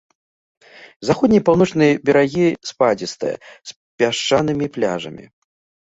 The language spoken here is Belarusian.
Заходні і паўночны берагі спадзістыя, з пясчанымі пляжамі.